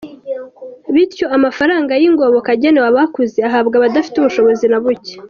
Bityo amafaranga y’ingoboka agenewe abakuze, ahabwa abadafite ubushobozi na buke.